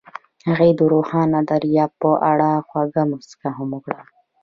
هغې د روښانه دریاب په اړه خوږه موسکا هم وکړه.